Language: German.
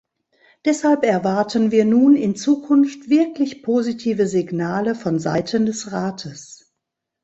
Deshalb erwarten wir nun in Zukunft wirklich positive Signale von Seiten des Rates.